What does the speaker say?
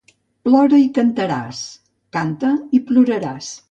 Plora i cantaràs; canta i ploraràs.